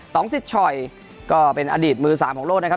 ต้องซิดชอยก็เป็นอดีตมือ๓ของโลก